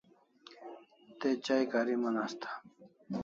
Te chai kariman asta